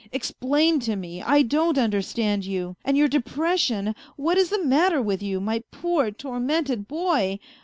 " Explain to me, I don't understand you, and your depression. What is the matter with you, my poor, tormented boy